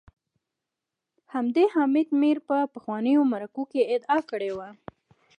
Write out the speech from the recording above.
همدې حامد میر په پخوانیو مرکو کي ادعا کړې وه